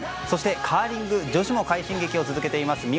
そしてカーリング女子も快進撃を続けています。